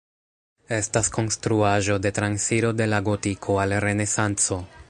Estas konstruaĵo de transiro de la Gotiko al Renesanco.